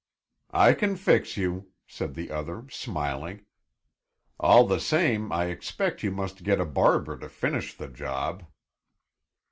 "I can fix you," said the other, smiling. "All the same, I expect you must get a barber to finish the job."